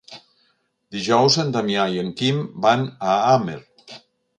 Dijous en Damià i en Quim van a Amer.